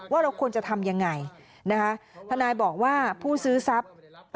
ว่าเราควรจะทำยังไงนะคะทนายบอกว่าผู้ซื้อทรัพย์